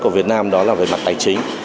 của việt nam đó là về mặt tài chính